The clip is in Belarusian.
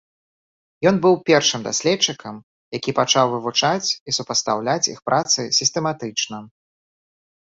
Ён быў першым даследчыкам, які пачаў вывучаць і супастаўляць іх працы сістэматычна.